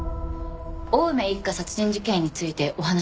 青梅一家殺人事件についてお話を。